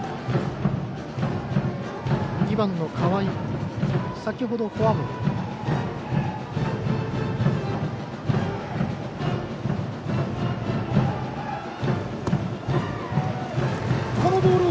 ２番の河合先ほどフォアボール。